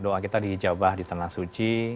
doa kita dihijabah di tanah suci